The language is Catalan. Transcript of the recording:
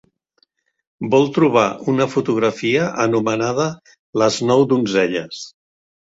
Vol trobar una fotografia anomenada Les nou donzelles.